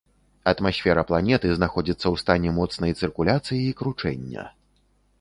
Атмасфера планеты знаходзіцца ў стане моцнай цыркуляцыі і кручэння.